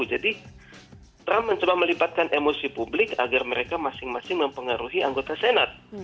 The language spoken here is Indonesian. jadi trump mencoba melibatkan emosi publik agar mereka masing masing mempengaruhi anggota senat